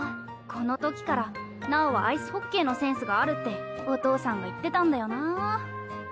このときから尚はアイスホッケーのセンスがあるってお父さんが言ってたんだよな。